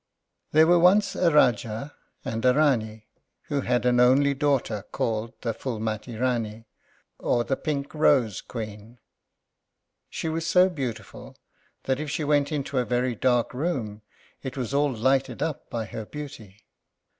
There were once a Rájá and a Rání who had an only daughter called the Phúlmati Rání, or the Pink rose Queen. She was so beautiful that if she went into a very dark room it was all lighted up by her beauty.